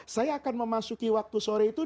saya akan memasuki waktu sore itu